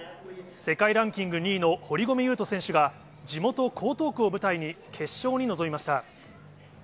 世界ランキング２位の堀米雄斗選手が、地元、江東区を舞台に、決勝に臨みました。